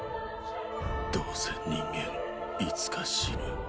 どうせ人間いつか死ぬ